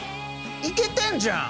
イケてんじゃん！